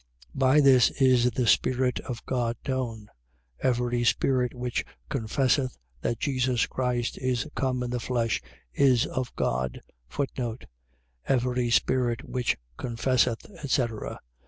By this is the spirit of God known. Every spirit which confesseth that Jesus Christ is come in the flesh is of God: Every spirit which confesseth, etc. ..